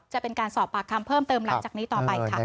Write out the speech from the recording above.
จะเป็นการสอบปากคำเพิ่มเติมหลังจากนี้ต่อไปค่ะ